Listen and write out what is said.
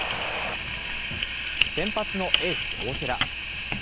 先発のエース、大瀬良。